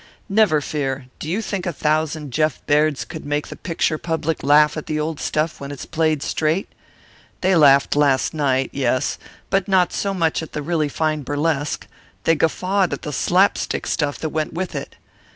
"Never fear. Do you think a thousand Jeff Bairds could make the picture public laugh at the old stuff when it's played straight? They laughed last night, yes; but not so much at the really fine burlesque; they guffawed at the slap stick stuff that went with it.